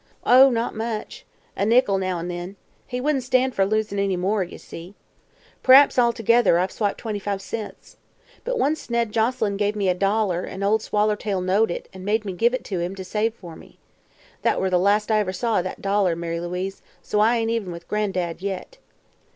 "Oh, not much. A nickel, now an' then. He wouldn't stan' for losin' any more, ye see. P'r'aps, altogether, I've swiped twenty five cents. But once Ned Joselyn give me a dollar, an' Ol' Swallertail knowed it, an' made me give it to him to save for me. That were the last I ever saw o' that dollar, Mary Louise, so I ain't even with Gran'dad yet."